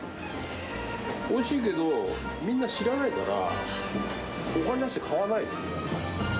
おいしいけど、みんな知らないから、お金出して買わないですね。